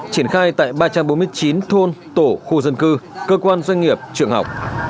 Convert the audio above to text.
triển khai tại ba trăm bốn mươi chín thôn tổ khu dân cư cơ quan doanh nghiệp trường học